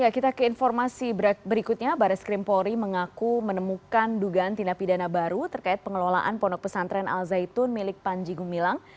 kita ke informasi berikutnya baris krim polri mengaku menemukan dugaan tindak pidana baru terkait pengelolaan pondok pesantren al zaitun milik panji gumilang